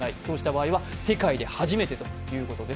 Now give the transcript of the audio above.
そうした場合は、世界で初めてということです。